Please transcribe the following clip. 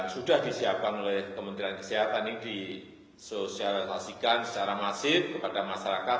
sudah disiapkan oleh kementerian kesehatan ini disosialisasikan secara masif kepada masyarakat